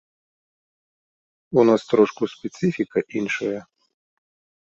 У нас трошку спецыфіка іншая.